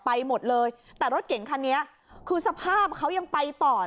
ไปหมดเลยแต่รถเก่งคันนี้คือสภาพเขายังไปต่อ